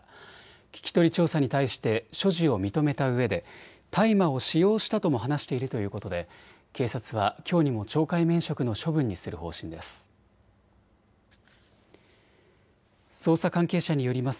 聞き取り調査に対して所持を認めたうえで大麻を使用したとも話しているということで警察はきょうにも懲戒免職の処分にする方針です。